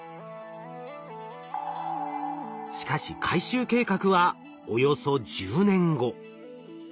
しかし回収計画はおよそ１０年後。